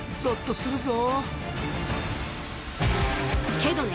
けどね